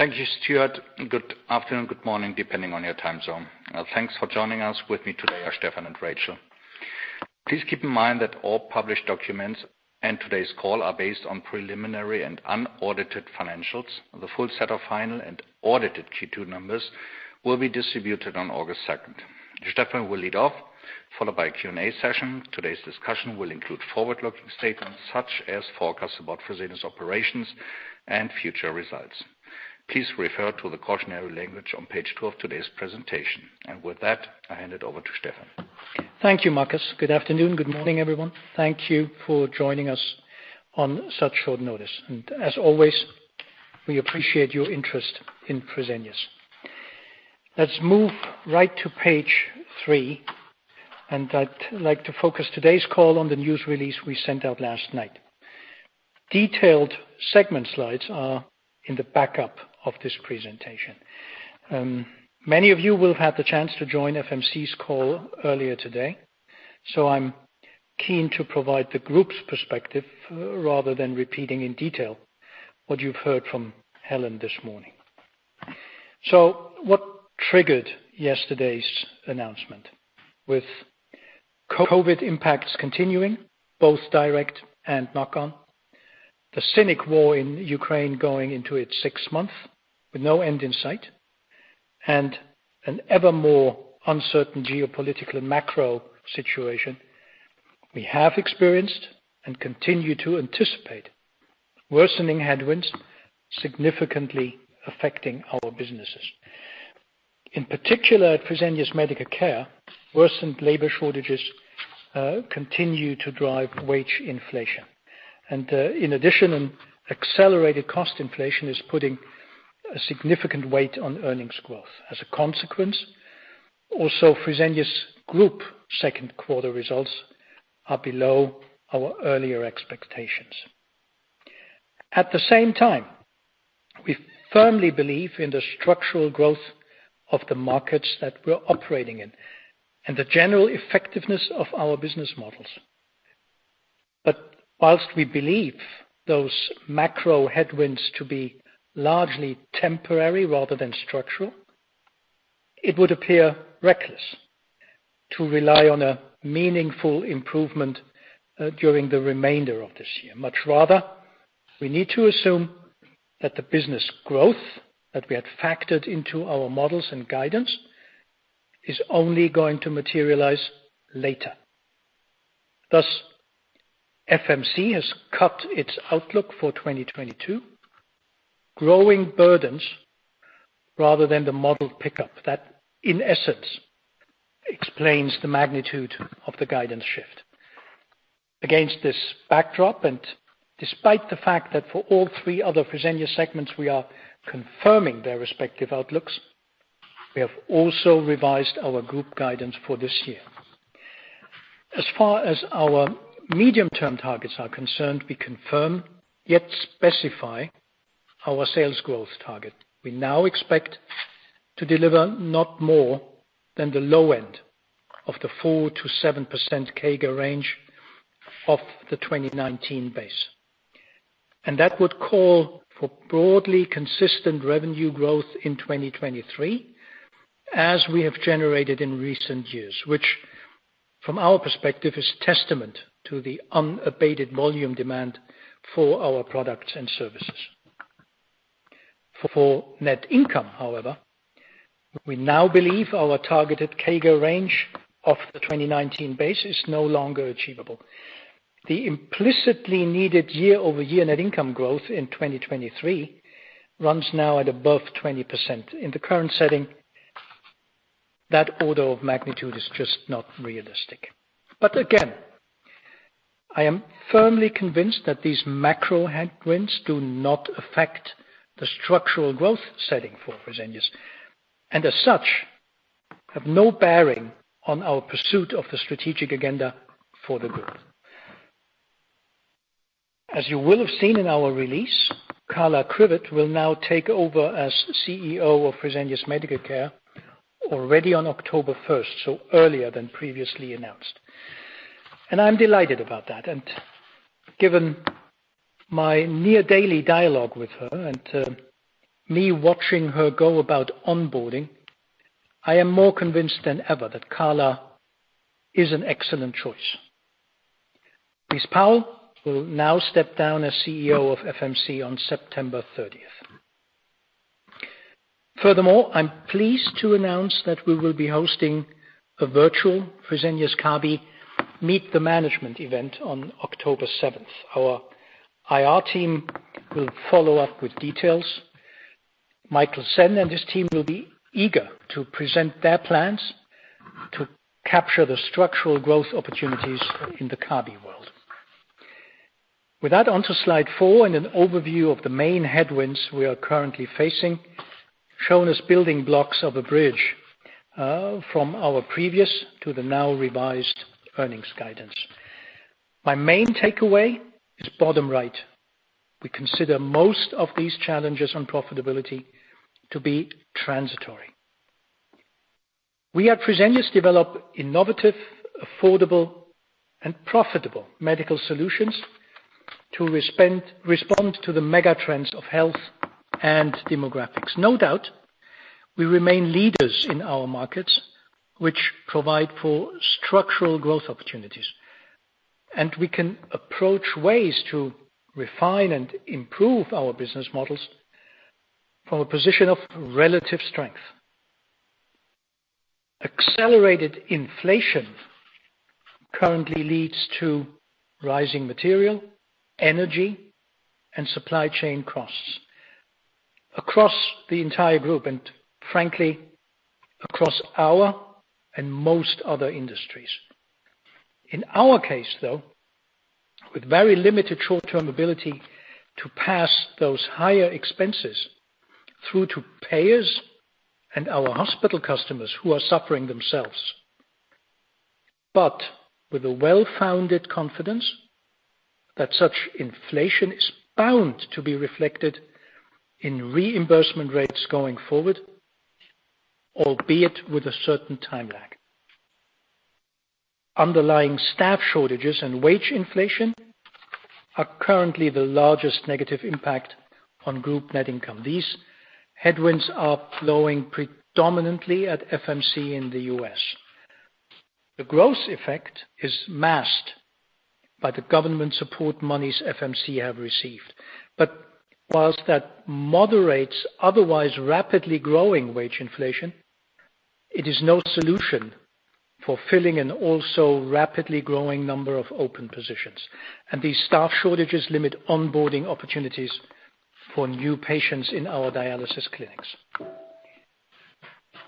Thank you, Stefano. Good afternoon, good morning, depending on your time zone. Thanks for joining us. With me today are Stephan and Rachel. Please keep in mind that all published documents and today's call are based on preliminary and unaudited financials. The full set of final and audited Q2 numbers will be distributed on August 2nd. Stephan will lead off, followed by a Q&A session. Today's discussion will include forward-looking statements, such as forecasts about Fresenius operations and future results. Please refer to the cautionary language on page two of today's presentation. With that, I hand it over to Stephan. Thank you, Markus. Good afternoon, good morning, everyone. Thank you for joining us on such short notice. As always, we appreciate your interest in Fresenius. Let's move right to page three, and I'd like to focus today's call on the news release we sent out last night. Detailed segment slides are in the backup of this presentation. Many of you will have had the chance to join FMC's call earlier today, so I'm keen to provide the group's perspective rather than repeating in detail what you've heard from Helen this morning. What triggered yesterday's announcement? With COVID impacts continuing, both direct and knock-on, the war in Ukraine going into its sixth month with no end in sight, and an ever more uncertain geopolitical and macro situation, we have experienced and continue to anticipate worsening headwinds significantly affecting our businesses. In particular at Fresenius Medical Care, worsened labor shortages continue to drive wage inflation. In addition, an accelerated cost inflation is putting a significant weight on earnings growth. As a consequence, also, Fresenius Group second quarter results are below our earlier expectations. At the same time, we firmly believe in the structural growth of the markets that we're operating in and the general effectiveness of our business models. Whilst we believe those macro headwinds to be largely temporary rather than structural, it would appear reckless to rely on a meaningful improvement during the remainder of this year. Much rather, we need to assume that the business growth that we had factored into our models and guidance is only going to materialize later. Thus, FMC has cut its outlook for 2022. Growing burdens rather than the model pickup, that, in essence, explains the magnitude of the guidance shift. Against this backdrop, and despite the fact that for all three other Fresenius segments we are confirming their respective outlooks, we have also revised our group guidance for this year. As far as our medium-term targets are concerned, we confirm, yet specify our sales growth target. We now expect to deliver not more than the low end of the 4%-7% CAGR range of the 2019 base. That would call for broadly consistent revenue growth in 2023, as we have generated in recent years. Which, from our perspective, is testament to the unabated volume demand for our products and services. For full net income, however, we now believe our targeted CAGR range of the 2019 base is no longer achievable. The implicitly needed year-over-year net income growth in 2023 runs now at above 20%. In the current setting, that order of magnitude is just not realistic. Again, I am firmly convinced that these macro headwinds do not affect the structural growth setting for Fresenius, and as such, have no bearing on our pursuit of the strategic agenda for the group. As you will have seen in our release, Carla Kriwet will now take over as CEO of Fresenius Medical Care already on October first, so earlier than previously announced, and I'm delighted about that. Given my near-daily dialogue with her and me watching her go about onboarding, I am more convinced than ever that Carla is an excellent choice. Rice Powell will now step down as CEO of FMC on September 30th. Furthermore, I'm pleased to announce that we will be hosting a virtual Fresenius Kabi Meet the Management event on October seventh. Our IR team will follow up with details. Michael Sen and his team will be eager to present their plans to capture the structural growth opportunities in the Kabi world. With that, on to slide four and an overview of the main headwinds we are currently facing, shown as building blocks of a bridge, from our previous to the now revised earnings guidance. My main takeaway is bottom right. We consider most of these challenges on profitability to be transitory. We at Fresenius develop innovative, affordable, and profitable medical solutions to respond to the mega trends of health and demographics. No doubt, we remain leaders in our markets, which provide for structural growth opportunities. We can approach ways to refine and improve our business models from a position of relative strength. Accelerated inflation currently leads to rising material, energy, and supply chain costs across the entire group and frankly, across our and most other industries. In our case though, with very limited short-term ability to pass those higher expenses through to payers and our hospital customers who are suffering themselves. With a well-founded confidence that such inflation is bound to be reflected in reimbursement rates going forward, albeit with a certain time lag. Underlying staff shortages and wage inflation are currently the largest negative impact on group net income. These headwinds are flowing predominantly at FMC in the U.S. The gross effect is masked by the government support monies FMC have received. While that moderates otherwise rapidly growing wage inflation, it is no solution for filling an also rapidly growing number of open positions. These staff shortages limit onboarding opportunities for new patients in our dialysis clinics.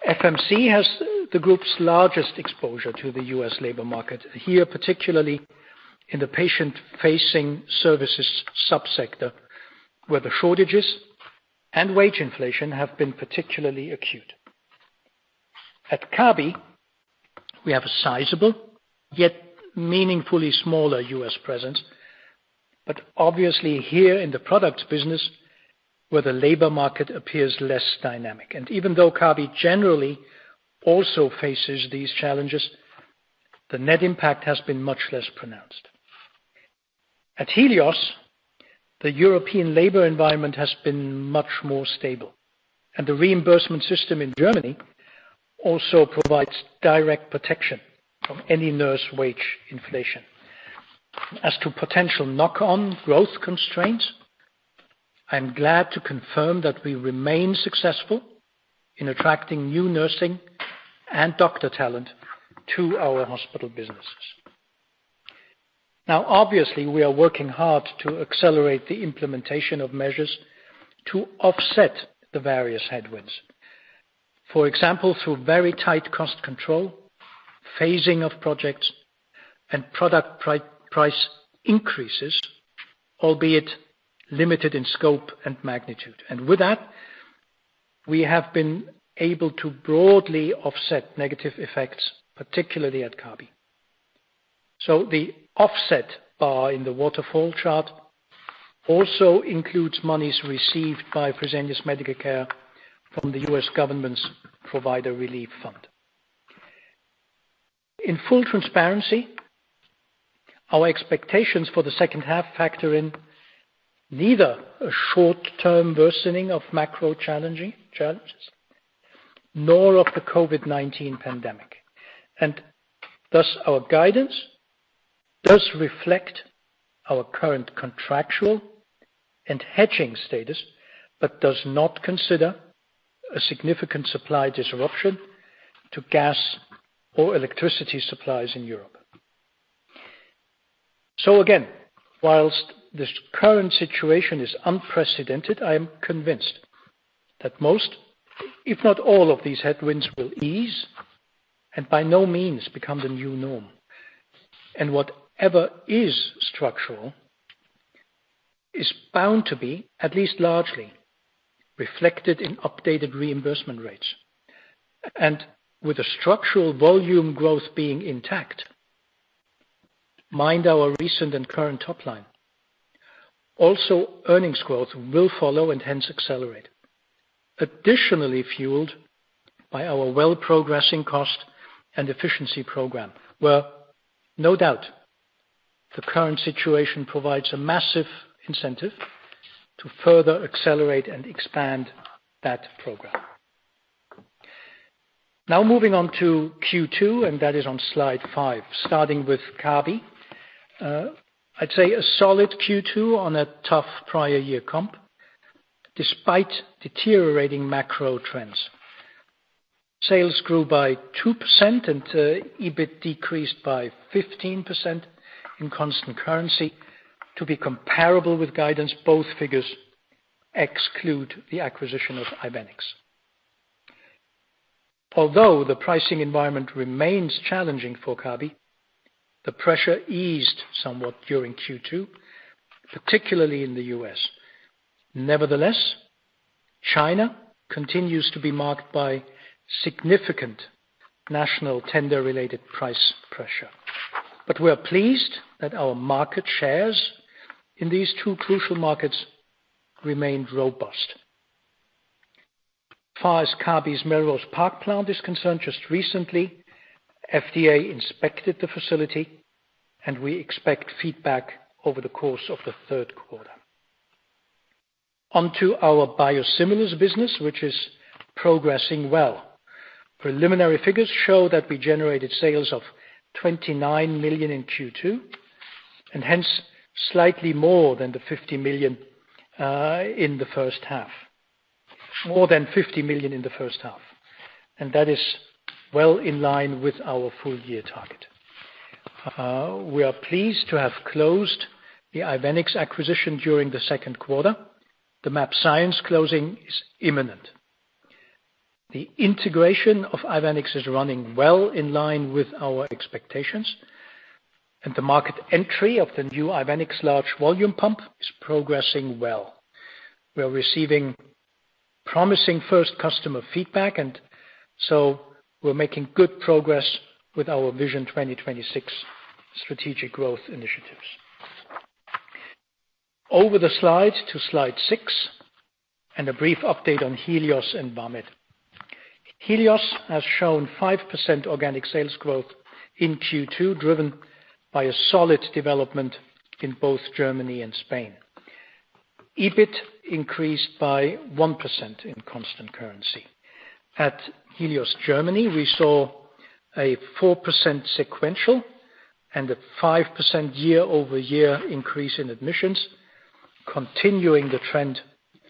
FMC has the group's largest exposure to the U.S. labor market, here, particularly in the patient-facing services sub-sector, where the shortages and wage inflation have been particularly acute. At Kabi, we have a sizable, yet meaningfully smaller U.S. presence, but obviously here in the product business, where the labor market appears less dynamic. Even though Kabi generally also faces these challenges, the net impact has been much less pronounced. At Helios, the European labor environment has been much more stable. The reimbursement system in Germany also provides direct protection from any nurse wage inflation. As to potential knock-on growth constraints, I am glad to confirm that we remain successful in attracting new nursing and doctor talent to our hospital businesses. Now, obviously, we are working hard to accelerate the implementation of measures to offset the various headwinds. For example, through very tight cost control, phasing of projects, and product price increases, albeit limited in scope and magnitude. With that, we have been able to broadly offset negative effects, particularly at Kabi. The offset bar in the waterfall chart also includes monies received by Fresenius Medical Care from the U.S. government's Provider Relief Fund. In full transparency, our expectations for the second half factor in neither a short-term worsening of macro challenges nor of the COVID-19 pandemic. Thus, our guidance does reflect our current contractual and hedging status, but does not consider a significant supply disruption to gas or electricity supplies in Europe. Again, while this current situation is unprecedented, I am convinced that most, if not all of these headwinds will ease and by no means become the new norm. Whatever is structural is bound to be at least largely reflected in updated reimbursement rates. With the structural volume growth being intact, mind our recent and current top line. Also, earnings growth will follow and hence accelerate. Additionally fueled by our well-progressing cost and efficiency program, where no doubt the current situation provides a massive incentive to further accelerate and expand that program. Now moving on to Q2, that is on slide five, starting with Kabi. I'd say a solid Q2 on a tough prior year comp, despite deteriorating macro trends. Sales grew by 2% and EBIT decreased by 15% in constant currency. To be comparable with guidance, both figures exclude the acquisition of Ivenix. Although the pricing environment remains challenging for Kabi, the pressure eased somewhat during Q2, particularly in the U.S. Nevertheless, China continues to be marked by significant national tender-related price pressure. We're pleased that our market shares in these two crucial markets remained robust. As far as Kabi's Melrose Park plant is concerned, just recently, FDA inspected the facility and we expect feedback over the course of the third quarter. On to our biosimilars business, which is progressing well. Preliminary figures show that we generated sales of 29 million in Q2, and hence, slightly more than the 50 million in the first half. More than 50 million in the first half, and that is well in line with our full year target. We are pleased to have closed the Ivenix acquisition during the second quarter. The mAbxience closing is imminent. The integration of Ivenix is running well in line with our expectations, and the market entry of the new Ivenix large volume pump is progressing well. We are receiving promising first customer feedback, and so we're making good progress with our Vision 2026 strategic growth initiatives. Over to slide six. A brief update on Helios and Vamed. Helios has shown 5% organic sales growth in Q2, driven by a solid development in both Germany and Spain. EBIT increased by 1% in constant currency. At Helios Germany, we saw a 4% sequential and a 5% year-over-year increase in admissions, continuing the trend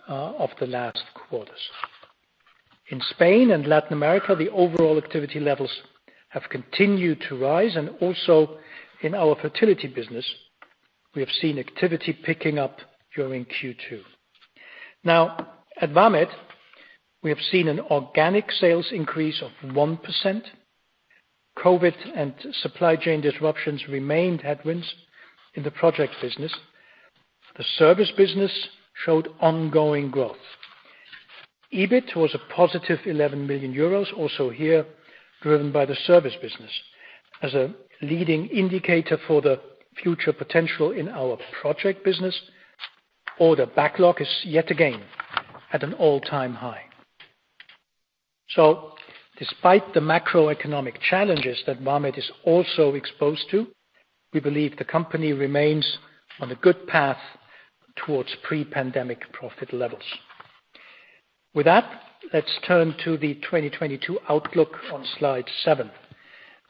of the last quarters. In Spain and Latin America, the overall activity levels have continued to rise, and also in our fertility business, we have seen activity picking up during Q2. Now, at Vamed, we have seen an organic sales increase of 1%. COVID and supply chain disruptions remained headwinds in the project business. The service business showed ongoing growth. EBIT was a positive 11 million euros, also here driven by the service business. As a leading indicator for the future potential in our project business, order backlog is yet again at an all-time high. Despite the macroeconomic challenges that Vamed is also exposed to, we believe the company remains on a good path towards pre-pandemic profit levels. With that, let's turn to the 2022 outlook on slide seven,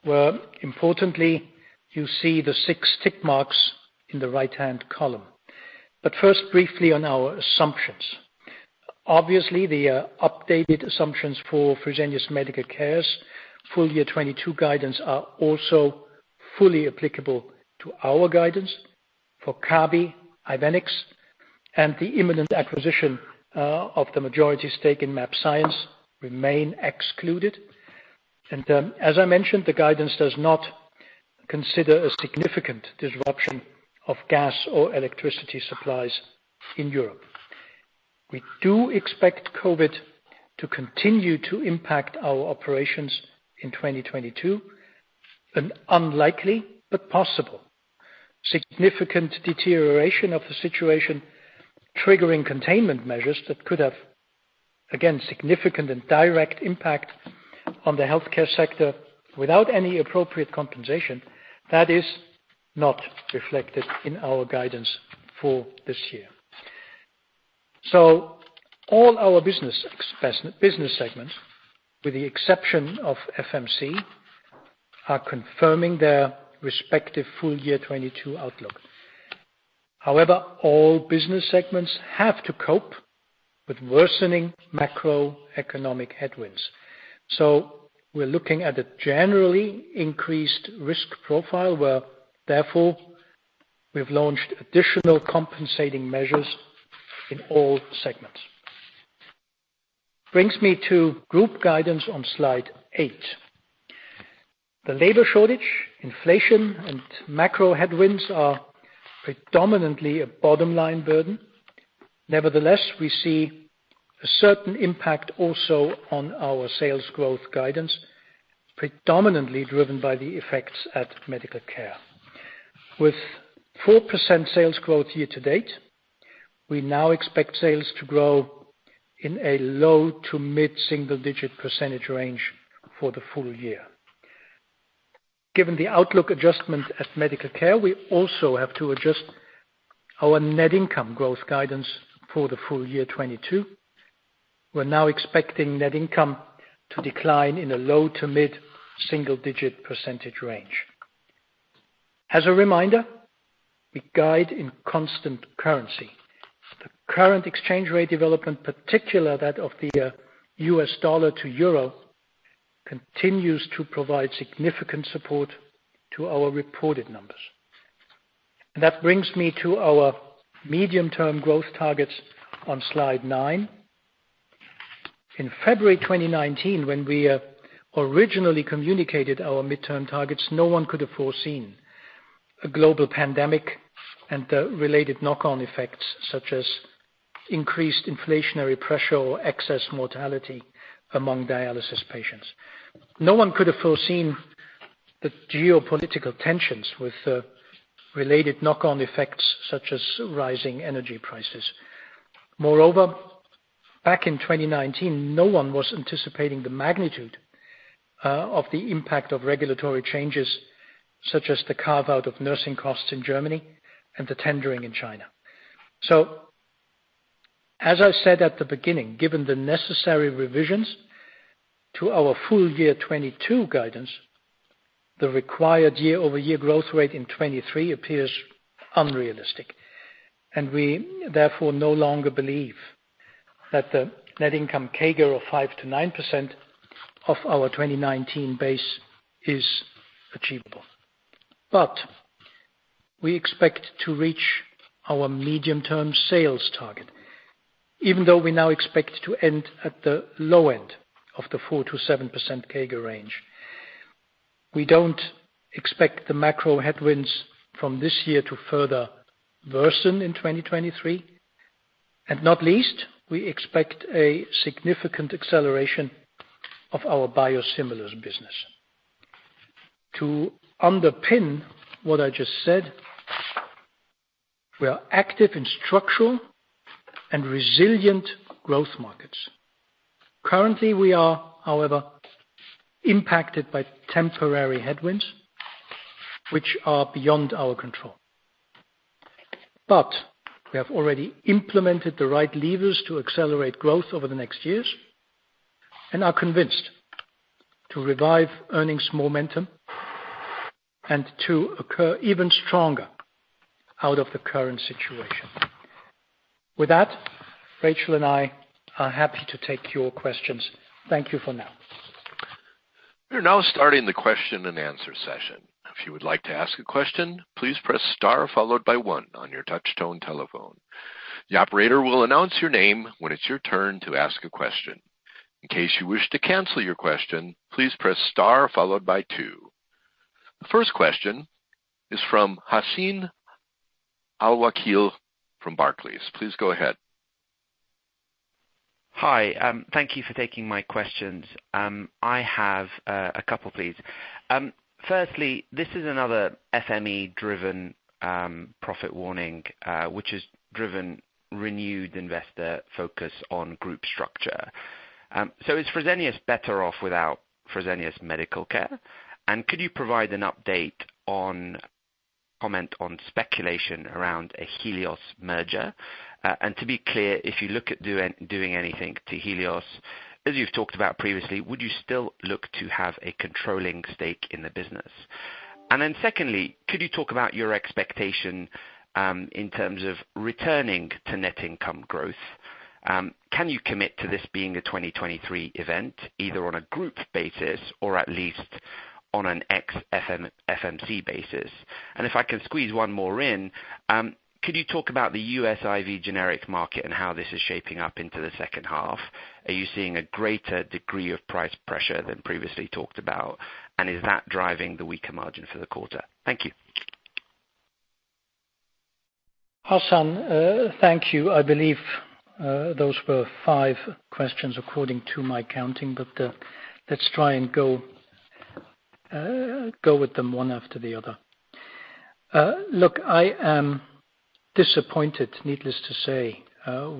where importantly you see the six tick marks in the right-hand column. First, briefly on our assumptions. Obviously, the updated assumptions for Fresenius Medical Care's full year 2022 guidance are also fully applicable to our guidance for Kabi, Ivenix, and the imminent acquisition of the majority stake in mAbxience remain excluded. As I mentioned, the guidance does not consider a significant disruption of gas or electricity supplies in Europe. We do expect COVID to continue to impact our operations in 2022. An unlikely but possible significant deterioration of the situation triggering containment measures that could have, again, significant and direct impact on the healthcare sector without any appropriate compensation, that is not reflected in our guidance for this year. All our business segments, with the exception of FMC, are confirming their respective full year 2022 outlook. However, all business segments have to cope with worsening macroeconomic headwinds. We're looking at a generally increased risk profile where therefore we've launched additional compensating measures in all segments. Brings me to group guidance on slide eight. The labor shortage, inflation, and macro headwinds are predominantly a bottom line burden. Nevertheless, we see a certain impact also on our sales growth guidance, predominantly driven by the effects at Medical Care. With 4% sales growth year to date, we now expect sales to grow in a low to mid-single digit percentage range for the full year. Given the outlook adjustment at Medical Care, we also have to adjust our net income growth guidance for the full year 2022. We're now expecting net income to decline in a low to mid-single digit percentage range. As a reminder, we guide in constant currency. The current exchange rate development, particularly that of the US dollar to Euro, continues to provide significant support to our reported numbers. That brings me to our medium-term growth targets on slide nine. In February 2019, when we originally communicated our midterm targets, no one could have foreseen a global pandemic and the related knock-on effects such as increased inflationary pressure or excess mortality among dialysis patients. No one could have foreseen the geopolitical tensions with related knock-on effects such as rising energy prices. Moreover, back in 2019, no one was anticipating the magnitude of the impact of regulatory changes, such as the carve-out of nursing costs in Germany and the tendering in China. As I said at the beginning, given the necessary revisions to our full year 2022 guidance, the required year-over-year growth rate in 2023 appears unrealistic. We, therefore, no longer believe that the net income CAGR of 5%-9% of our 2019 base is achievable. We expect to reach our medium-term sales target, even though we now expect to end at the low end of the 4%-7% CAGR range. We don't expect the macro headwinds from this year to further worsen in 2023. Not least, we expect a significant acceleration of our biosimilars business. To underpin what I just said, we are active in structural and resilient growth markets. Currently, we are, however, impacted by temporary headwinds which are beyond our control. We have already implemented the right levers to accelerate growth over the next years, and are convinced to revive earnings momentum and to occur even stronger out of the current situation. With that, Rachel and I are happy to take your questions. Thank you for now. We are now starting the question and answer session. If you would like to ask a question, please press star followed by one on your touch tone telephone. The operator will announce your name when it's your turn to ask a question. In case you wish to cancel your question, please press star followed by two. The first question is from Hassan Al-Wakeel from Barclays. Please go ahead. Hi, thank you for taking my questions. I have a couple, please. Firstly, this is another SME-driven profit warning, which has driven renewed investor focus on group structure. Is Fresenius better off without Fresenius Medical Care? Could you provide an update or comment on speculation around a Helios merger? To be clear, if you look at doing anything to Helios, as you've talked about previously, would you still look to have a controlling stake in the business? Secondly, could you talk about your expectation in terms of returning to net income growth? Can you commit to this being a 2023 event, either on a group basis or at least on an ex-FMC basis? If I can squeeze one more in, could you talk about the U.S. IV generics market and how this is shaping up into the second half? Are you seeing a greater degree of price pressure than previously talked about? Is that driving the weaker margin for the quarter? Thank you. Hassan, thank you. I believe those were five questions according to my counting, but let's try and go with them one after the other. Look, I am disappointed, needless to say,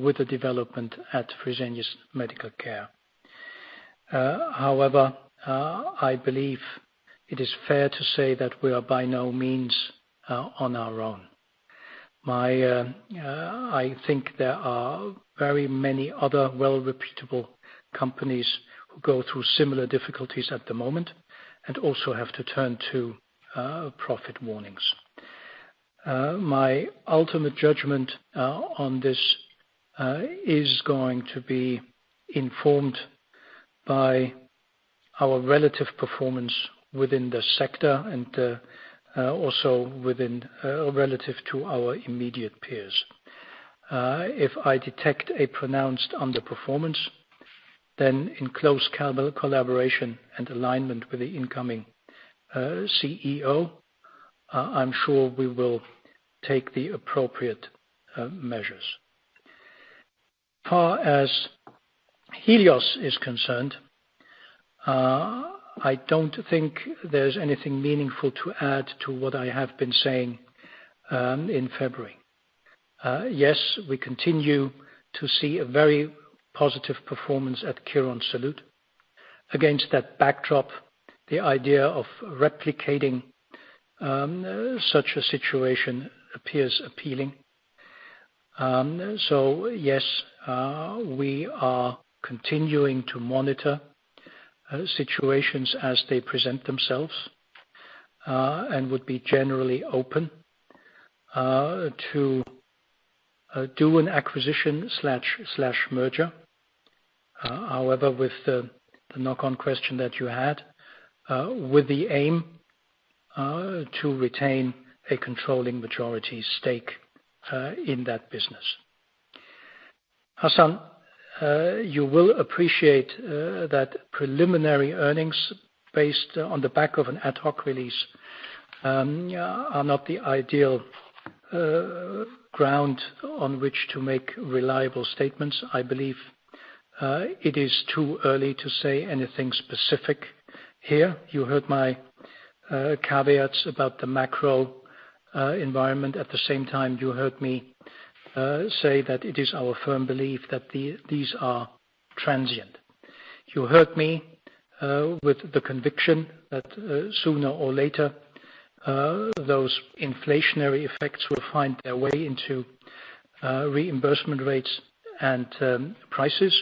with the development at Fresenius Medical Care. However, I believe it is fair to say that we are by no means on our own. I think there are very many other well reputable companies who go through similar difficulties at the moment and also have to turn to profit warnings. My ultimate judgment on this is going to be informed by our relative performance within the sector and also within relative to our immediate peers. If I detect a pronounced underperformance, then in close collaboration and alignment with the incoming CEO, I'm sure we will take the appropriate measures. As for Helios, I don't think there's anything meaningful to add to what I have been saying in February. Yes, we continue to see a very positive performance at Quirónsalud. Against that backdrop, the idea of replicating such a situation appears appealing. Yes, we are continuing to monitor situations as they present themselves and would be generally open to do an acquisition slash merger. However, with the knock-on question that you had, with the aim to retain a controlling majority stake in that business. Hassan, you will appreciate that preliminary earnings based on the back of an ad-hoc release are not the ideal ground on which to make reliable statements, I believe. It is too early to say anything specific here. You heard my caveats about the macro environment. At the same time, you heard me say that it is our firm belief that these are transient. You heard me with the conviction that sooner or later those inflationary effects will find their way into reimbursement rates and prices.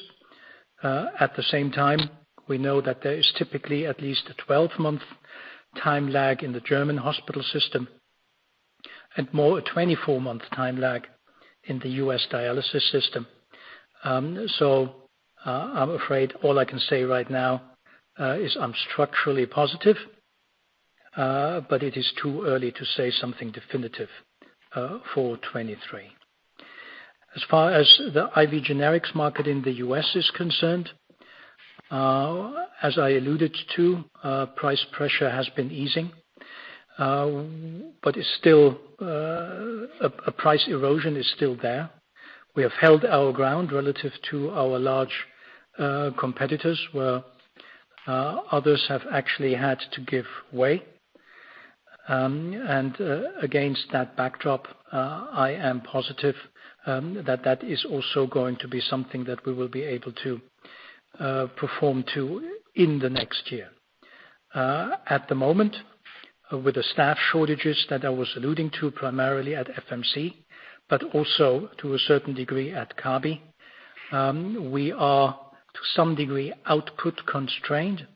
At the same time, we know that there is typically at least a 12-month time lag in the German hospital system, and more a 24-month time lag in the U.S. dialysis system. I'm afraid all I can say right now is I'm structurally positive, but it is too early to say something definitive for 2023. As far as the IV generics market in the U.S. is concerned, as I alluded to, price pressure has been easing. It's still a price erosion is still there. We have held our ground relative to our large competitors, where others have actually had to give way. Against that backdrop, I am positive that is also going to be something that we will be able to perform to in the next year. At the moment, with the staff shortages that I was alluding to primarily at FMC, but also to a certain degree at Kabi, we are to some degree output constrained,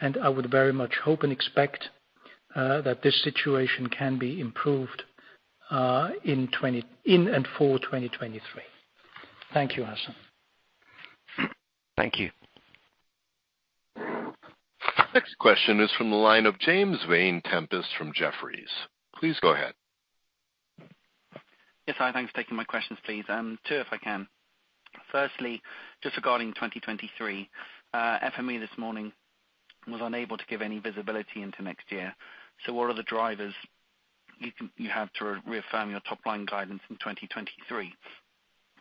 and I would very much hope and expect that this situation can be improved in and for 2023. Thank you, Hassan. Thank you. Next question is from the line of James Vane-Tempest from Jefferies. Please go ahead. Yes, hi. Thanks for taking my questions please. Two if I can. Firstly, just regarding 2023, FME this morning was unable to give any visibility into next year. What are the drivers you have to reaffirm your top line guidance in 2023,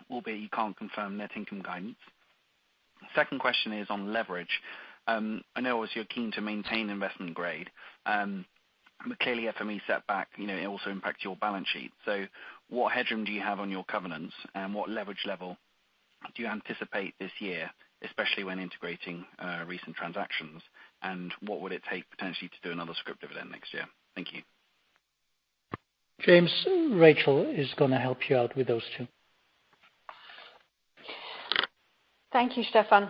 albeit you can't confirm net income guidance? Second question is on leverage. I know obviously you're keen to maintain investment grade. But clearly FME setback, you know, it also impacts your balance sheet. What headroom do you have on your covenants? What leverage level do you anticipate this year, especially when integrating recent transactions? What would it take potentially to do another scrip dividend next year? Thank you. James, Rachel is gonna help you out with those two. Thank you, Stephan.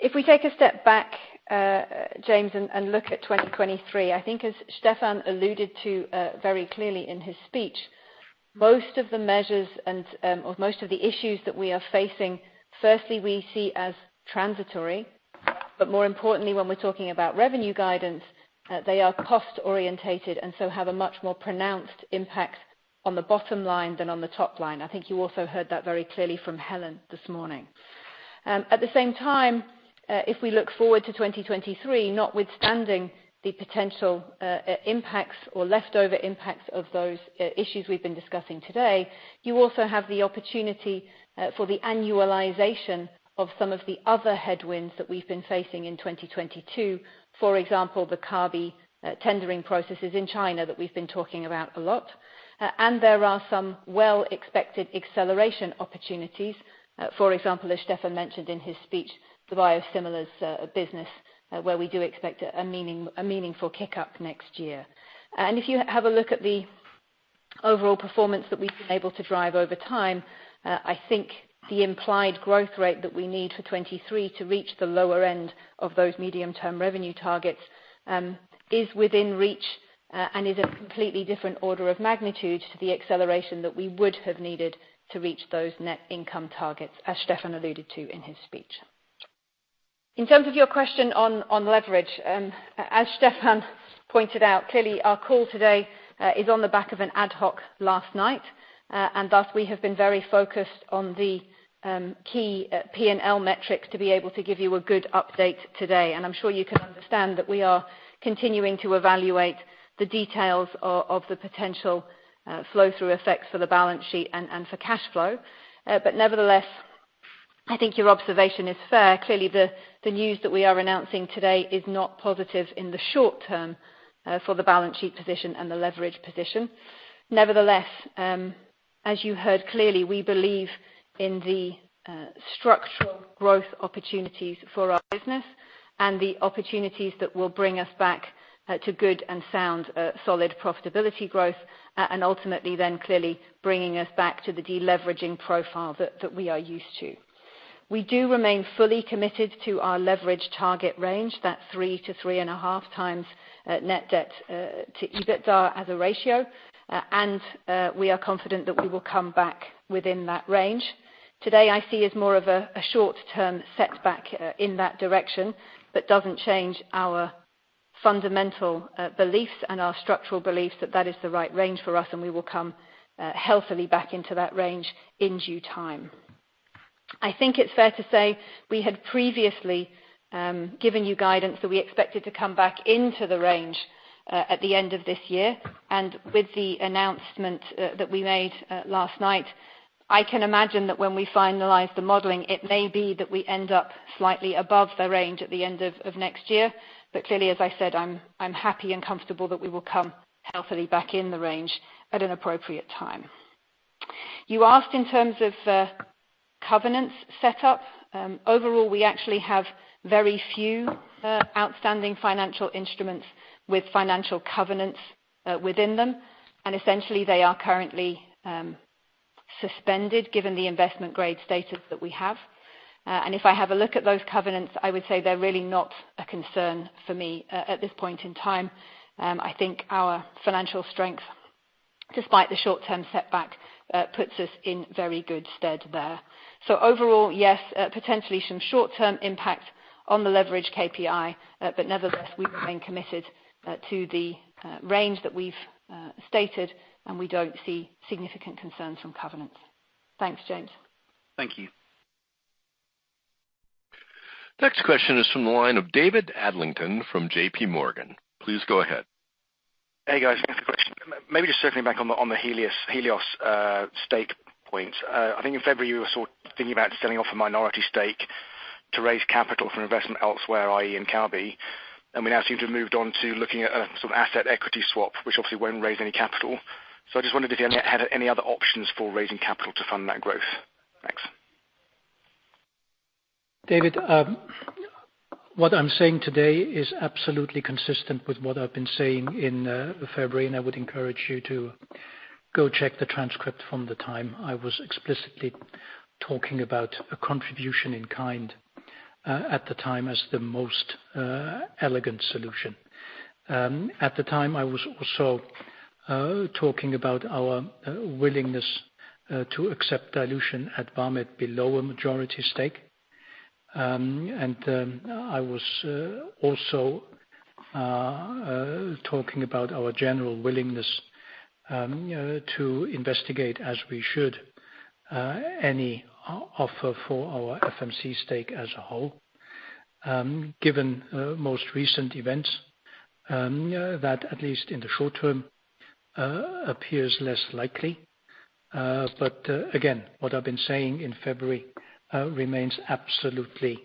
If we take a step back, James, and look at 2023, I think as Stephan alluded to, very clearly in his speech, most of the measures and, or most of the issues that we are facing, firstly, we see as transitory, but more importantly, when we're talking about revenue guidance, they are cost-oriented and so have a much more pronounced impact on the bottom line than on the top line. I think you also heard that very clearly from Helen this morning. At the same time, if we look forward to 2023, notwithstanding the potential, impacts or leftover impacts of those, issues we've been discussing today, you also have the opportunity, for the annualization of some of the other headwinds that we've been facing in 2022. For example, the Kabi tendering processes in China that we've been talking about a lot. There are some well-expected acceleration opportunities. For example, as Stephan mentioned in his speech, the biosimilars business, where we do expect a meaningful kick-up next year. If you have a look at the overall performance that we've been able to drive over time, I think the implied growth rate that we need for 2023 to reach the lower end of those medium-term revenue targets is within reach, and is a completely different order of magnitude to the acceleration that we would have needed to reach those net income targets, as Stephan alluded to in his speech. In terms of your question on leverage, as Stephan pointed out, clearly our call today is on the back of an ad-hoc last night. Thus we have been very focused on the key P&L metrics to be able to give you a good update today. I'm sure you can understand that we are continuing to evaluate the details of the potential flow through effects for the balance sheet and for cash flow. But nevertheless, I think your observation is fair. Clearly the news that we are announcing today is not positive in the short term for the balance sheet position and the leverage position. Nevertheless, as you heard clearly, we believe in the structural growth opportunities for our business and the opportunities that will bring us back to good and sound solid profitability growth, and ultimately then clearly bringing us back to the deleveraging profile that we are used to. We do remain fully committed to our leverage target range, that 3x-3.5x net debt to EBITDA as a ratio. And we are confident that we will come back within that range. Today I see as more of a short-term setback in that direction, but doesn't change our fundamental beliefs and our structural beliefs that that is the right range for us, and we will come healthily back into that range in due time. I think it's fair to say we had previously given you guidance that we expected to come back into the range at the end of this year. With the announcement that we made last night. I can imagine that when we finalize the modeling, it may be that we end up slightly above the range at the end of next year. Clearly, as I said, I'm happy and comfortable that we will come healthily back in the range at an appropriate time. You asked in terms of covenants set up. Overall, we actually have very few outstanding financial instruments with financial covenants within them, and essentially they are currently suspended given the investment grade status that we have. If I have a look at those covenants, I would say they're really not a concern for me at this point in time. I think our financial strength, despite the short-term setback, puts us in very good stead there. Overall, yes, potentially some short-term impact on the leverage KPI, but nevertheless, we remain committed to the range that we've stated, and we don't see significant concerns from covenants. Thanks, James. Thank you. Next question is from the line of David Adlington from JPMorgan. Please go ahead. Hey, guys. Thanks for the question. Maybe just circling back on the Helios stake point. I think in February you were sort of thinking about selling off a minority stake to raise capital for investment elsewhere, i.e., in Kabi. We now seem to have moved on to looking at a sort of asset equity swap, which obviously won't raise any capital. I just wondered if you had any other options for raising capital to fund that growth. Thanks. David, what I'm saying today is absolutely consistent with what I've been saying in February, and I would encourage you to go check the transcript from the time I was explicitly talking about a contribution in kind at the time as the most elegant solution. At the time, I was also talking about our willingness to accept dilution at Vamed below a majority stake. I was also talking about our general willingness, you know, to investigate, as we should, any offer for our FMC stake as a whole. Given most recent events, that at least in the short term appears less likely. Again, what I've been saying in February remains absolutely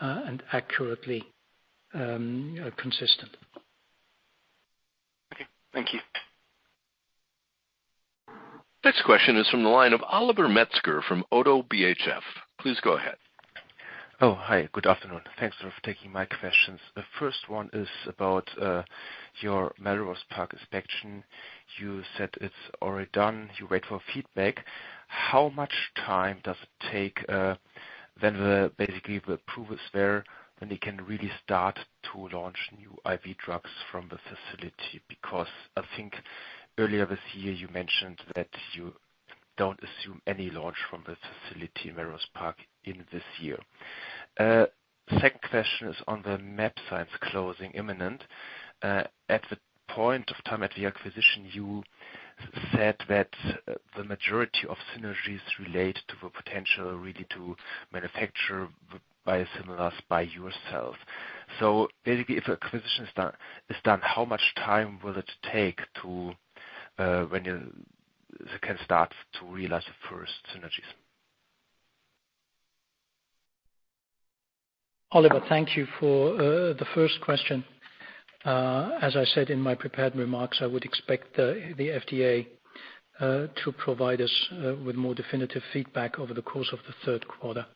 and accurately consistent. Okay. Thank you. Next question is from the line of Oliver Metzger from ODDO BHF. Please go ahead. Good afternoon. Thanks for taking my questions. The first one is about your Melrose Park inspection. You said it's already done. You wait for feedback. How much time does it take, basically when the approval is there, when you can really start to launch new IV drugs from the facility? Because I think earlier this year you mentioned that you don't assume any launch from the facility in Melrose Park in this year. Second question is on the mAbxience closing imminent. At the point in time of the acquisition, you said that the majority of synergies relate to the potential really to manufacture biosimilars by yourself. Basically, if acquisition is done, how much time will it take when you can start to realize the first synergies? Oliver, thank you for the first question. As I said in my prepared remarks, I would expect the FDA to provide us with more definitive feedback over the course of the third quarter.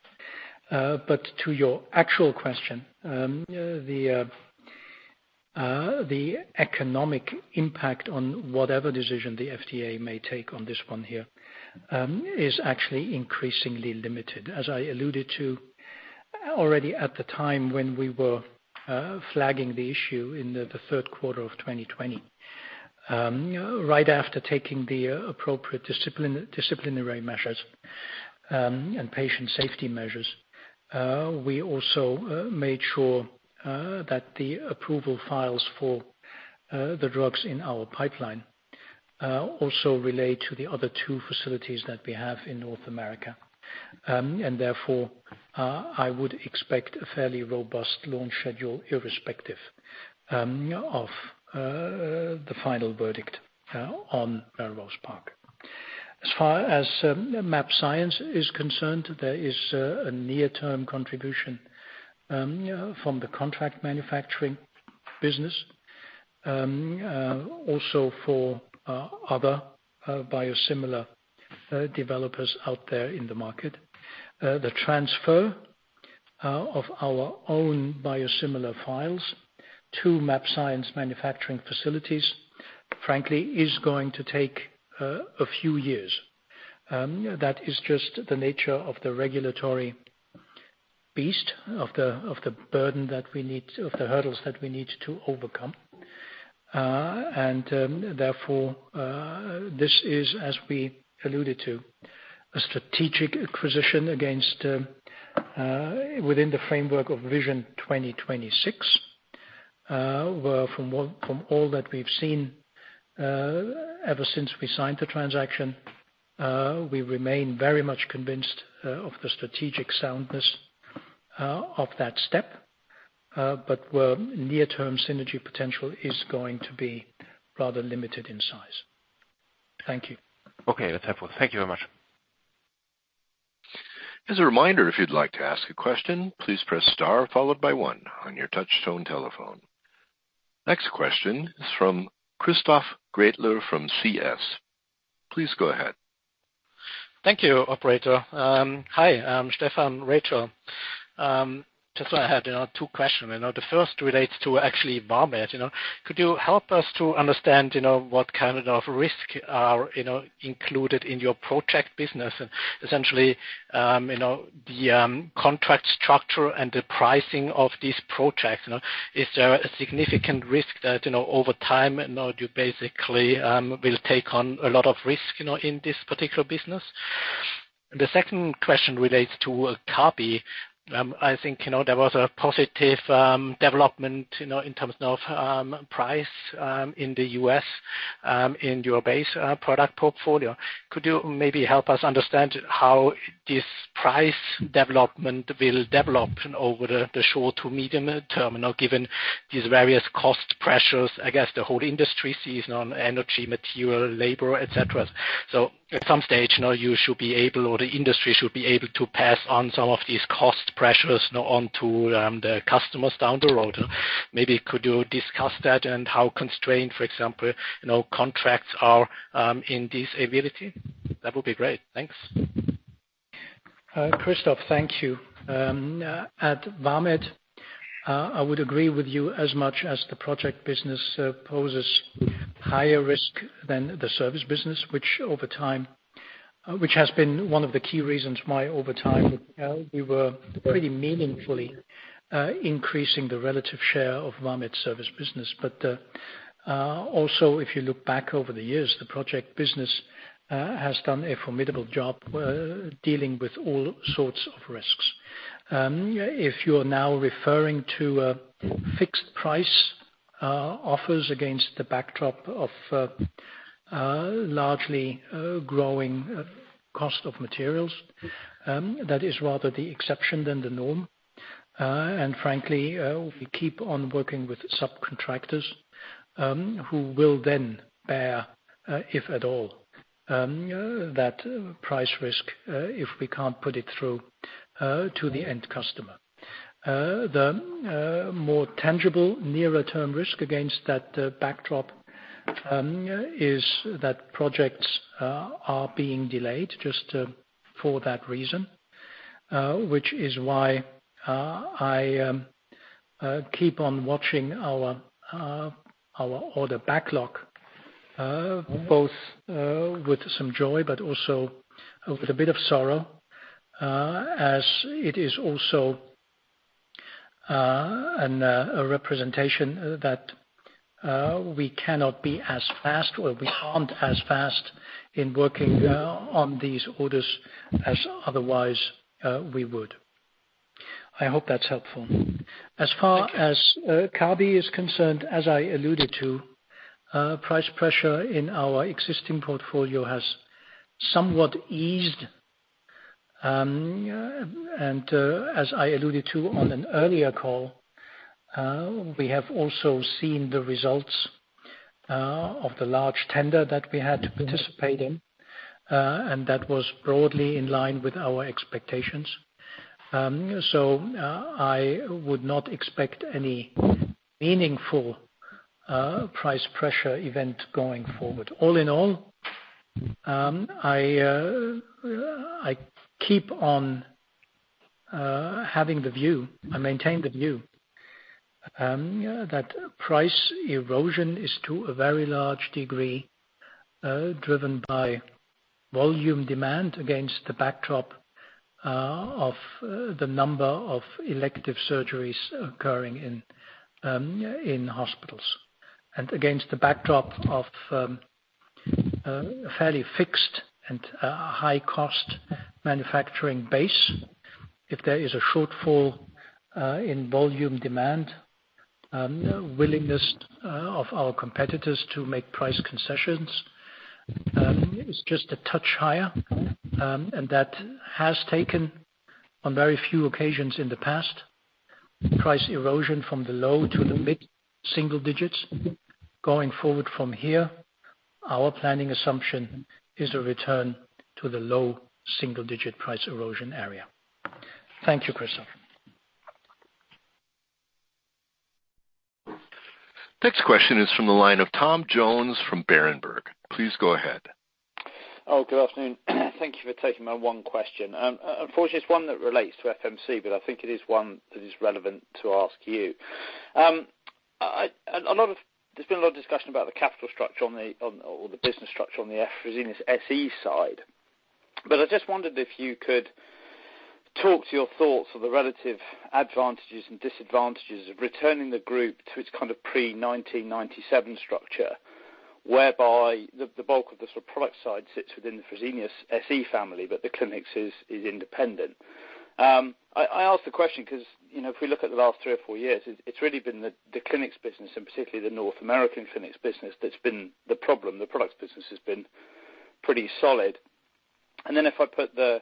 To your actual question, the economic impact on whatever decision the FDA may take on this one here is actually increasingly limited. As I alluded to already at the time when we were flagging the issue in the third quarter of 2020. Right after taking the appropriate disciplinary measures and patient safety measures, we also made sure that the approval files for the drugs in our pipeline also relate to the other two facilities that we have in North America. I would expect a fairly robust launch schedule, irrespective of the final verdict on Melrose Park. As far as mAbxience is concerned, there is a near-term contribution from the contract manufacturing business also for other biosimilar developers out there in the market. The transfer of our own biosimilar files to mAbxience manufacturing facilities, frankly, is going to take a few years. That is just the nature of the regulatory beast, the burden that we need, the hurdles that we need to overcome. This is, as we alluded to, a strategic acquisition within the framework of Vision 2026. Well, from all that we've seen, ever since we signed the transaction, we remain very much convinced of the strategic soundness of that step. Well, near-term synergy potential is going to be rather limited in size. Thank you. Okay, that's helpful. Thank you very much. As a reminder, if you'd like to ask a question, please press star followed by one on your touchtone telephone. Next question is from Christoph Gretler from CS. Please go ahead. Thank you, operator. Hi, Stephan, Rachel. Just so I had, you know, two questions. You know, the first relates to actually Vamed. You know, could you help us to understand, you know, what kind of risk are, you know, included in your project business and essentially, you know, the contract structure and the pricing of these projects, you know? Is there a significant risk that, you know, over time, you know, you basically will take on a lot of risk, you know, in this particular business? The second question relates to Kabi. I think, you know, there was a positive development, you know, in terms of price in the U.S. in your base product portfolio. Could you maybe help us understand how this price development will develop, you know, over the short to medium term, you know, given these various cost pressures, I guess, the whole industry sees on energy, material, labor, et cetera. At some stage, you know, you should be able or the industry should be able to pass on some of these cost pressures, you know, on to the customers down the road. Maybe could you discuss that and how constrained, for example, you know, contracts are in their ability? That would be great. Thanks. Christoph, thank you. At Vamed, I would agree with you as much as the project business poses higher risk than the service business, which has been one of the key reasons why over time, you know, we were pretty meaningfully increasing the relative share of Vamed service business. Also, if you look back over the years, the project business has done a formidable job dealing with all sorts of risks. If you're now referring to fixed price offers against the backdrop of largely growing cost of materials, that is rather the exception than the norm. Frankly, we keep on working with subcontractors, who will then bear, if at all, that price risk, if we can't put it through to the end customer. The more tangible nearer term risk against that backdrop is that projects are being delayed just for that reason, which is why I keep on watching our order backlog both with some joy, but also with a bit of sorrow, as it is also a representation that we cannot be as fast or we aren't as fast in working on these orders as otherwise we would. I hope that's helpful. Thank you. As far as Kabi is concerned, as I alluded to, price pressure in our existing portfolio has somewhat eased. As I alluded to on an earlier call, we have also seen the results of the large tender that we had to participate in, and that was broadly in line with our expectations. I would not expect any meaningful price pressure event going forward. All in all, I maintain the view that price erosion is to a very large degree driven by volume demand against the backdrop of the number of elective surgeries occurring in hospitals. Against the backdrop of a fairly fixed and high-cost manufacturing base. If there is a shortfall in volume demand, willingness of our competitors to make price concessions is just a touch higher. That has taken on very few occasions in the past, price erosion from the low to the mid-single digits. Going forward from here, our planning assumption is a return to the low single-digit price erosion area. Thank you, Christoph. Next question is from the line of Tom Jones from Berenberg. Please go ahead. Oh, good afternoon. Thank you for taking my one question. Unfortunately, it's one that relates to FMC, but I think it is one that is relevant to ask you. There's been a lot of discussion about the capital structure or the business structure on the Fresenius SE side. I just wondered if you could talk to your thoughts on the relative advantages and disadvantages of returning the group to its kind of pre-1997 structure, whereby the bulk of the sort of product side sits within the Fresenius SE family, but the clinics is independent. I ask the question 'cause, you know, if we look at the last three or four years, it's really been the clinics business, and particularly the North American clinics business that's been the problem. The products business has been pretty solid. If I put the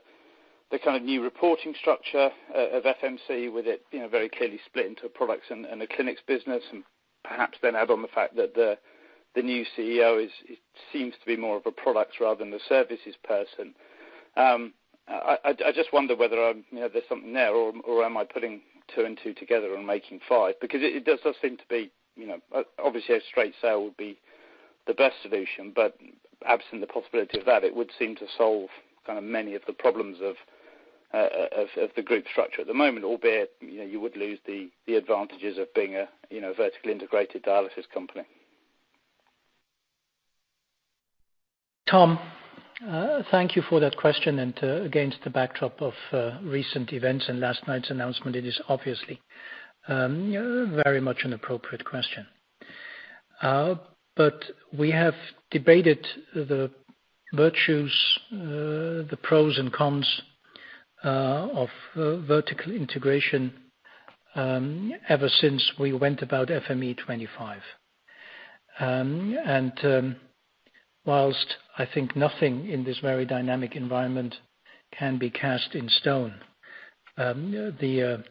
kind of new reporting structure of FMC with it, you know, very clearly split into products and the clinics business, and perhaps then add on the fact that the new CEO seems to be more of a products rather than the services person. I just wonder whether, you know, there's something there or am I putting two and two together and making five? Because it does sort of seem to be, you know, obviously a straight sale would be the best solution, but absent the possibility of that, it would seem to solve kind of many of the problems of the group structure at the moment, albeit, you know, you would lose the advantages of being a vertically integrated dialysis company. Tom, thank you for that question and, against the backdrop of recent events and last night's announcement, it is obviously very much an appropriate question. We have debated the virtues, the pros and cons of vertical integration ever since we went about FME 2025. While I think nothing in this very dynamic environment can be cast in stone, the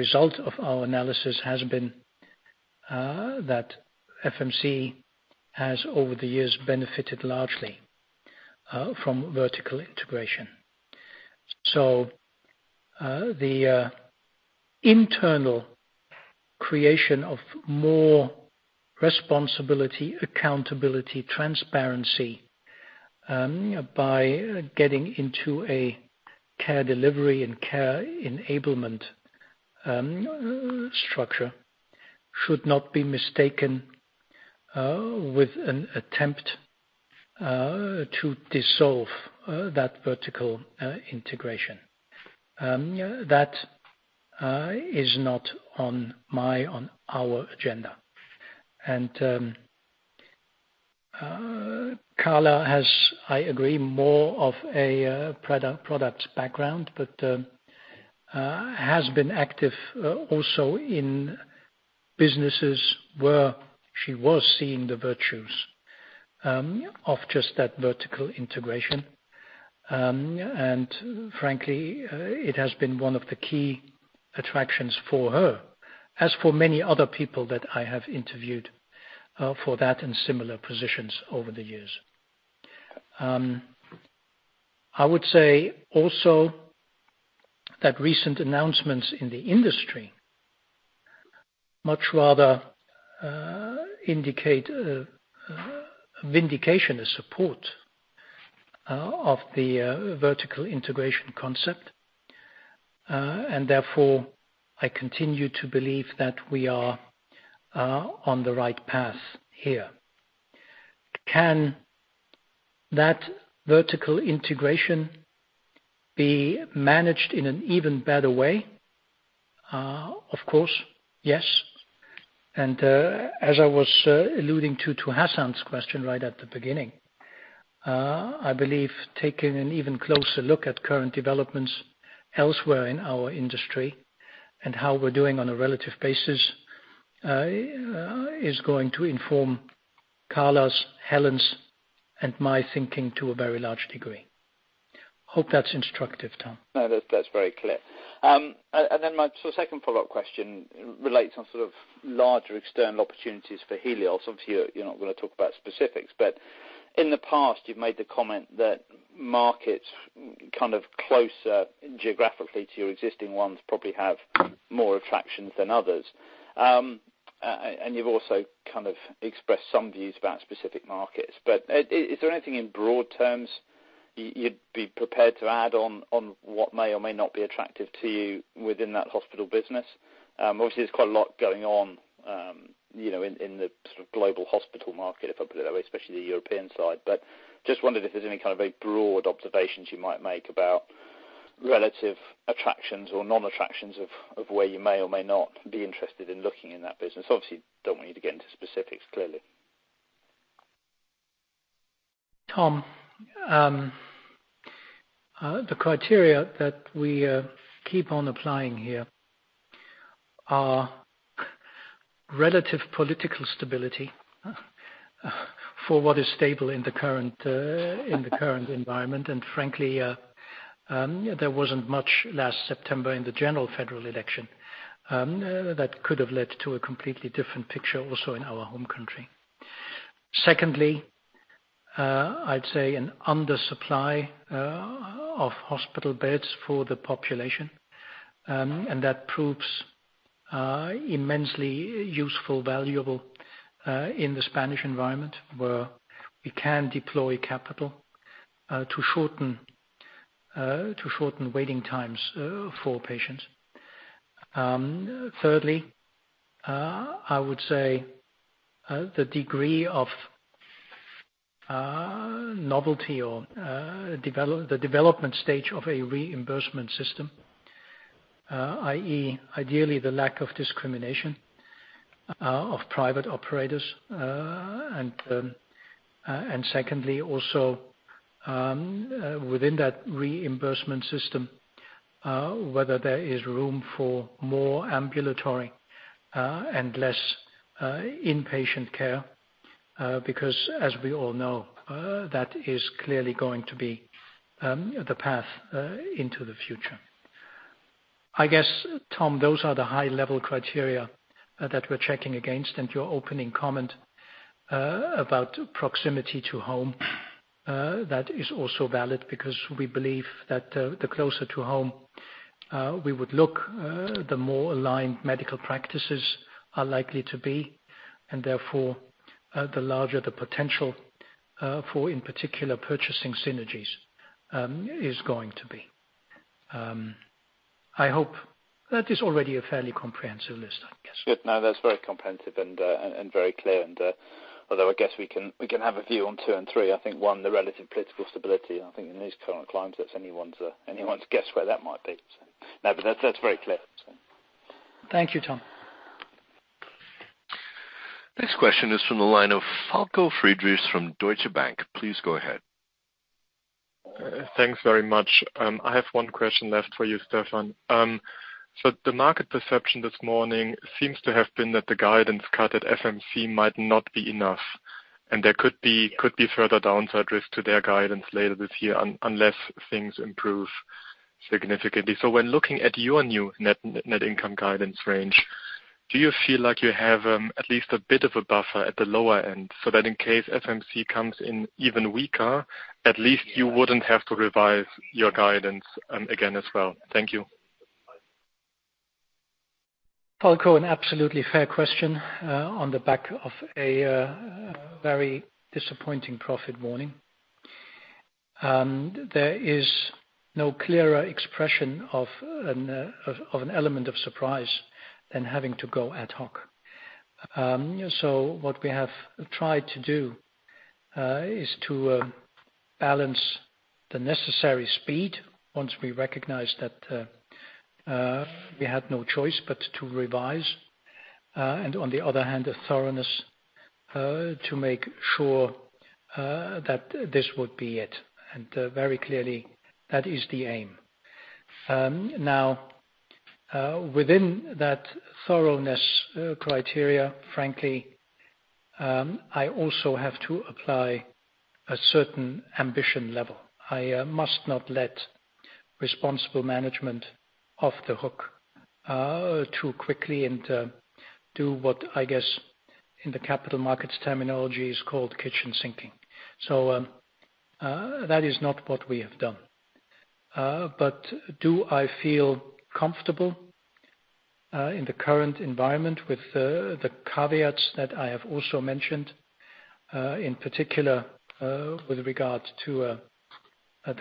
result of our analysis has been that FMC has over the years benefited largely from vertical integration. The internal creation of more responsibility, accountability, transparency by getting into a care delivery and care enablement structure should not be mistaken with an attempt to dissolve that vertical integration. That is not on our agenda. Carla has, I agree, more of a product background, but has been active also in businesses where she was seeing the virtues of just that vertical integration. Frankly, it has been one of the key attractions for her, as for many other people that I have interviewed for that and similar positions over the years. I would say also that recent announcements in the industry much rather indicate vindication and support of the vertical integration concept. Therefore, I continue to believe that we are on the right path here. Can that vertical integration be managed in an even better way? Of course, yes. As I was alluding to Hassan's question right at the beginning, I believe taking an even closer look at current developments elsewhere in our industry and how we're doing on a relative basis is going to inform Carla's, Helen's, and my thinking to a very large degree. Hope that's instructive, Tom. No, that's very clear. So second follow-up question relates on sort of larger external opportunities for Helios. Obviously, you're not gonna talk about specifics, but in the past, you've made the comment that markets kind of closer geographically to your existing ones probably have more attractions than others. You've also kind of expressed some views about specific markets. Is there anything in broad terms you'd be prepared to add on what may or may not be attractive to you within that hospital business? Obviously there's quite a lot going on, you know, in the sort of global hospital market, if I put it that way, especially the European side. Just wondered if there's any kind of very broad observations you might make about relative attractions or non-attractions of where you may or may not be interested in looking in that business. Obviously, don't want you to get into specifics, clearly. Tom, the criteria that we keep on applying here are relative political stability for what is stable in the current environment. Frankly, there wasn't much last September in the general federal election that could have led to a completely different picture also in our home country. Secondly, I'd say an undersupply of hospital beds for the population, and that proves immensely useful, valuable, in the Spanish environment, where we can deploy capital to shorten waiting times for patients. Thirdly, I would say the degree of novelty or the development stage of a reimbursement system, i.e., ideally, the lack of discrimination of private operators. Secondly, also within that reimbursement system, whether there is room for more ambulatory, and less, inpatient care, because as we all know, that is clearly going to be the path into the future. I guess, Tom, those are the high-level criteria that we're checking against. Your opening comment, about proximity to home, that is also valid because we believe that, the closer to home, we would look, the more aligned medical practices are likely to be, and therefore, the larger the potential, for in particular purchasing synergies, is going to be. I hope that is already a fairly comprehensive list, I guess. Good. No, that's very comprehensive and very clear. Although I guess we can have a view on two and three. I think one, the relative political stability, and I think in these current climates, that's anyone's guess where that might be. No, that's very clear. Thank you, Tom. Next question is from the line of Falko Friedrichs from Deutsche Bank. Please go ahead. Thanks very much. I have one question left for you, Stephan. The market perception this morning seems to have been that the guidance cut at FMC might not be enough, and there could be further downside risk to their guidance later this year unless things improve significantly. When looking at your new net income guidance range, do you feel like you have at least a bit of a buffer at the lower end so that in case FMC comes in even weaker, at least you wouldn't have to revise your guidance again as well? Thank you. Falko, an absolutely fair question on the back of a very disappointing profit warning. There is no clearer expression of an element of surprise than having to go ad-hoc. What we have tried to do is to balance the necessary speed once we recognize that we had no choice but to revise and on the other hand a thoroughness to make sure that this would be it. Very clearly that is the aim. Now, within that thoroughness criteria, frankly, I also have to apply a certain ambition level. I must not let responsible management off the hook too quickly and do what I guess in the capital markets terminology is called kitchen sinking. That is not what we have done. Do I feel comfortable in the current environment with the caveats that I have also mentioned in particular the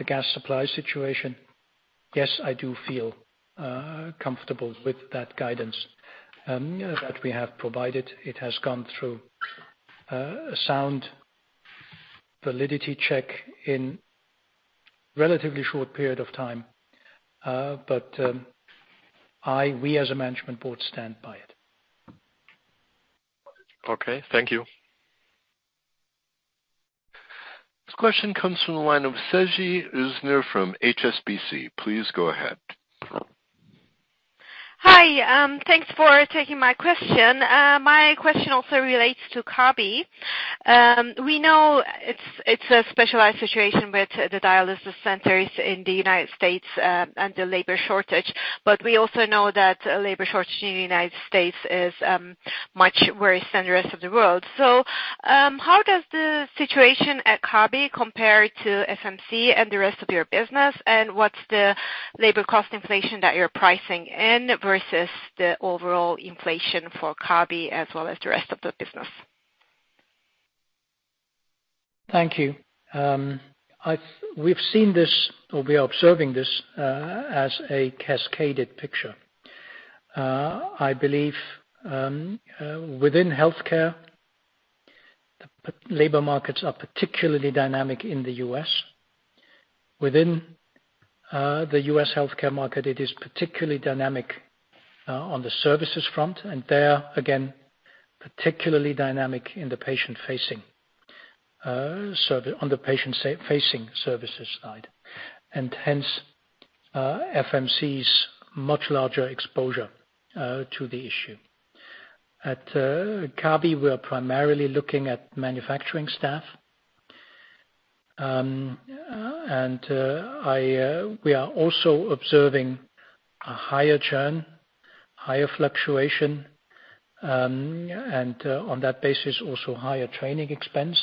gas supply situation? Yes, I do feel comfortable with that guidance that we have provided. It has gone through a sound validity check in relatively short period of time. We as a management board stand by it. Okay. Thank you. This question comes from the line of Sezgi Oezener from HSBC. Please go ahead. Hi. Thanks for taking my question. My question also relates to Kabi. We know it's a specialized situation with the dialysis centers in the United States, and the labor shortage, but we also know that labor shortage in the United States is much worse than the rest of the world. How does the situation at Kabi compare to FMC and the rest of your business, and what's the labor cost inflation that you're pricing in versus the overall inflation for Kabi as well as the rest of the business? Thank you. We've seen this or we are observing this as a cascaded picture. I believe within healthcare, labor markets are particularly dynamic in the U.S. Within the U.S. healthcare market, it is particularly dynamic on the services front, and there again, particularly dynamic in the patient-facing services side, and hence, FMC's much larger exposure to the issue. At Kabi, we're primarily looking at manufacturing staff. We are also observing a higher churn, higher fluctuation, and on that basis, also higher training expense,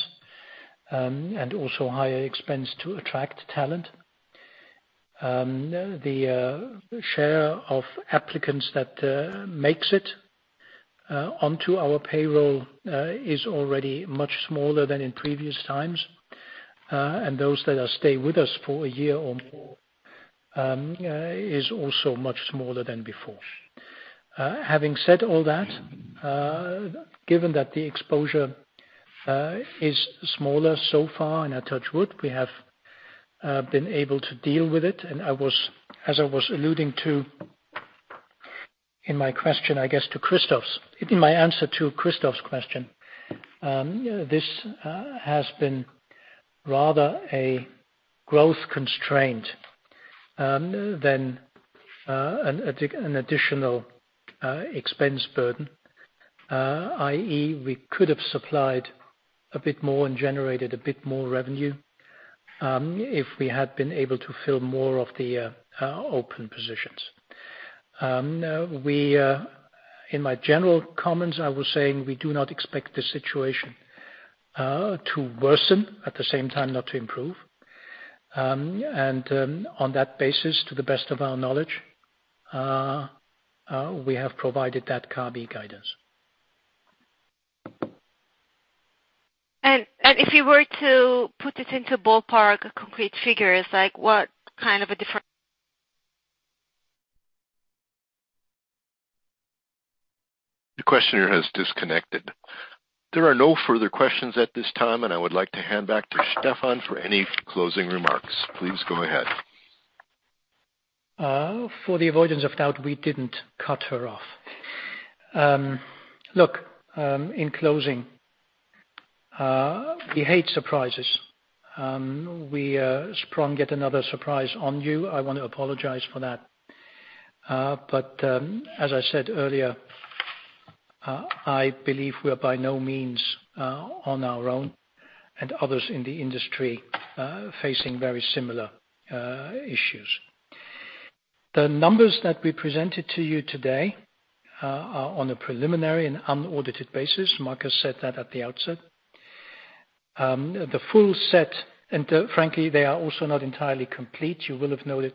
and also higher expense to attract talent. The share of applicants that makes it onto our payroll is already much smaller than in previous times, and those that stay with us for a year or more is also much smaller than before. Having said all that, given that the exposure is smaller so far, and I touch wood, we have been able to deal with it. I was, as I was alluding to, in my answer to Christoph's question, this has been rather a growth constraint than an additional expense burden. i.e., we could have supplied a bit more and generated a bit more revenue, if we had been able to fill more of the open positions. No, in my general comments, I was saying we do not expect the situation to worsen, at the same time not to improve. On that basis, to the best of our knowledge, we have provided that Kabi guidance. If you were to put it into ballpark concrete figures, like what kind of a differ- The questioner has disconnected. There are no further questions at this time, and I would like to hand back to Stefan for any closing remarks. Please go ahead. For the avoidance of doubt, we didn't cut her off. Look, in closing, we hate surprises. We sprung yet another surprise on you. I wanna apologize for that. As I said earlier, I believe we are by no means on our own and others in the industry facing very similar issues. The numbers that we presented to you today are on a preliminary and unaudited basis. Markus said that at the outset. The full set, and frankly, they are also not entirely complete. You will have noted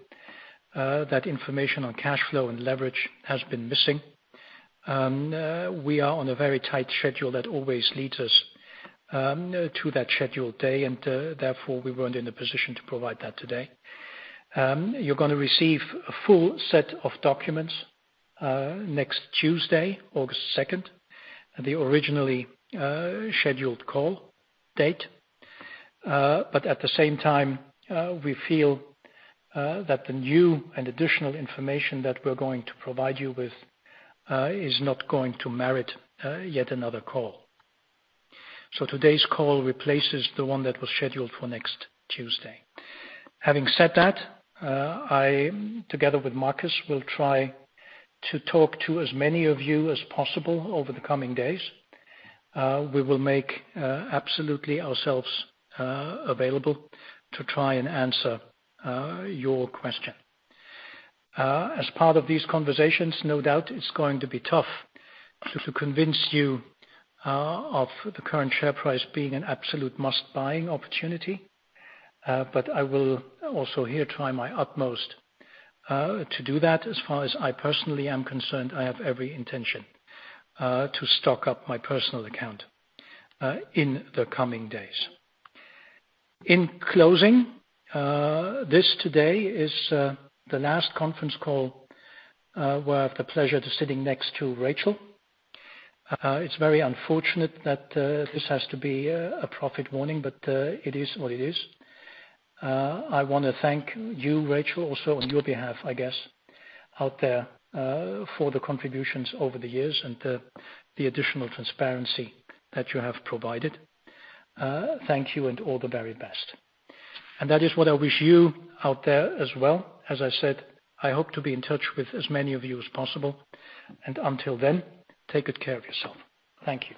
that information on cash flow and leverage has been missing. We are on a very tight schedule that always leads us to that scheduled day, and therefore, we weren't in a position to provide that today. You're gonna receive a full set of documents next Tuesday, August 2nd, the originally scheduled call date. At the same time, we feel that the new and additional information that we're going to provide you with is not going to merit yet another call. Today's call replaces the one that was scheduled for next Tuesday. Having said that, I together with Markus will try to talk to as many of you as possible over the coming days. We will make absolutely ourselves available to try and answer your question. As part of these conversations, no doubt it's going to be tough to convince you of the current share price being an absolute must buying opportunity, but I will also here try my utmost to do that. As far as I personally am concerned, I have every intention to stock up my personal account in the coming days. In closing, this today is the last conference call where I have the pleasure to sitting next to Rachel. It's very unfortunate that this has to be a profit warning, but it is what it is. I wanna thank you, Rachel, also on your behalf, I guess, out there, for the contributions over the years and the additional transparency that you have provided. Thank you and all the very best. That is what I wish you out there as well. As I said, I hope to be in touch with as many of you as possible. Until then, take good care of yourself. Thank you.